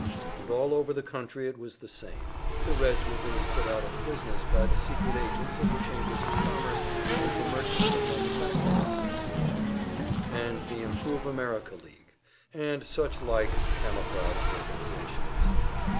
And all over the country it was the same; the Reds were being put out of business by the secret agents of the Chambers of Commerce and the Merchants' and Manufacturers' Associations, and the "Improve America League," and such like camouflaged organizations.